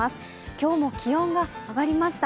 今日も気温が上がりました。